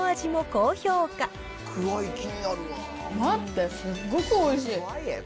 待って、すっごくおいしい。